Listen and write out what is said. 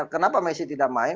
kenapa messi tidak main